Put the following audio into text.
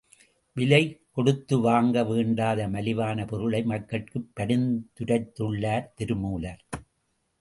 விலை கொடுத்து வாங்க வேண்டாத மலிவான பொருளை மக்கட்குப் பரிந்துரைத் துள்ளார் திருமூலர்.